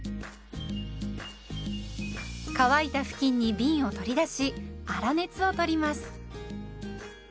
乾いた布巾にびんを取り出し粗熱をとります。